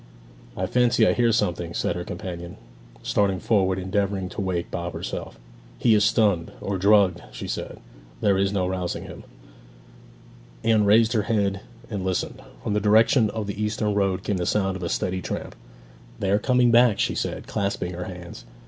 'I fancy I hear something!' said her companion, starting forward and endeavouring to wake Bob herself. 'He is stunned, or drugged!' she said; 'there is no rousing him.' Anne raised her head and listened. From the direction of the eastern road came the sound of a steady tramp. 'They are coming back!' she said, clasping her hands.